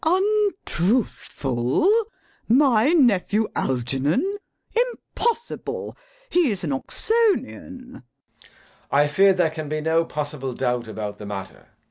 Untruthful! My nephew Algernon? Impossible! He is an Oxonian. JACK. I fear there can be no possible doubt about the matter.